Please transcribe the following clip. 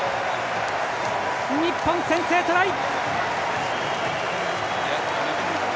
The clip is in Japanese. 日本、先制トライ！